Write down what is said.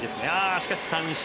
しかし、三振。